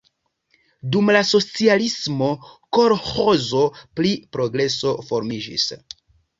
Dum la socialismo kolĥozo pri Progreso formiĝis.